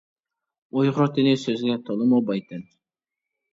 ئۇيغۇر تىلى سۆزگە تولىمۇ باي تىل.